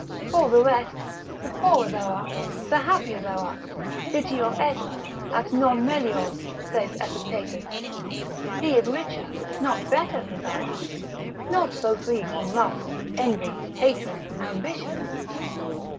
For the rest, the poorer thou art, the happier thou art, ditior est, at non melior, saith Epictetus, he is richer, not better than thou art, not so free from lust, envy, hatred, ambition.